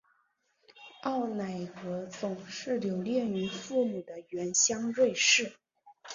奥乃格总是留恋于父母的原乡瑞士。